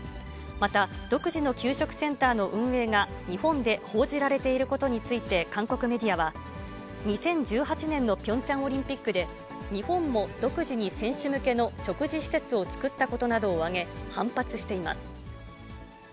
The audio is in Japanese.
また、独自の給食センターの運営が日本で報じられていることについて韓国メディアは、２０１８年のピョンチャンオリンピックで、日本も独自に選手向けの食事施設を作ったことなどを挙げ、反発しています。